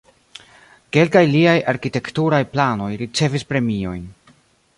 Kelkaj liaj arkitekturaj planoj ricevis premiojn.